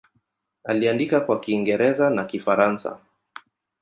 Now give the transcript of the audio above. Aliandika kwa Kiingereza na Kifaransa.